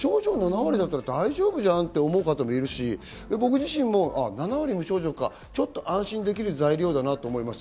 無症状７割だったら大丈夫じゃんって思う方もいるし、僕自身も７割無症状か、ちょっと安心できる材料だなと思います。